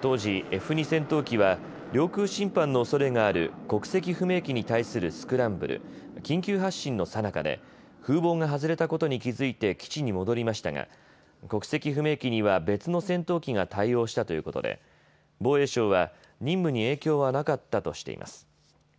当時、Ｆ２戦闘機は領空侵犯のおそれがある国籍不明機に対するスクランブル・緊急発進のさなかで風防が外れたことに気付いて基地に戻りましたが、国籍不明機には別の戦闘機が対応したということで防衛省は任務に影響はなかったとしています。